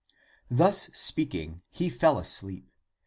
Thus speaking, he fell asleep.